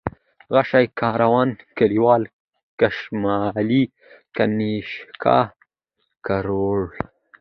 غشى ، کاروان ، کليوال ، کشمالی ، كنيشكا ، کروړ